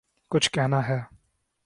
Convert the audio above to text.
کچھ کہنا ہے